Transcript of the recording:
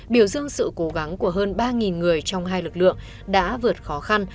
biểu dương sự cố gắng của hơn ba người trong hai lực lượng đã vượt khó khăn